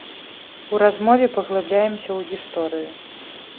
У размове паглыбляемся ў гісторыю.